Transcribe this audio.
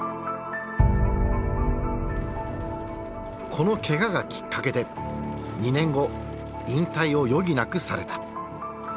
このけががきっかけで２年後引退を余儀なくされた。